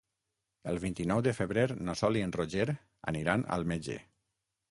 El vint-i-nou de febrer na Sol i en Roger aniran al metge.